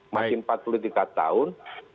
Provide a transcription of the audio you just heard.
masih empat puluh tiga tahun